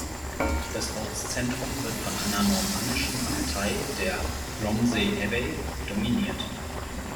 Das Ortszentrum wird von einer normannischen Abtei, der "Romsey Abbey" dominiert.